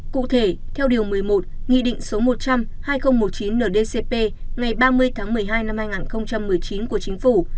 cụ thể theo điều một mươi một nghị định số một trăm linh hai nghìn một mươi chín ndcp ngày ba mươi tháng một mươi hai năm hai nghìn một mươi chín của chính phủ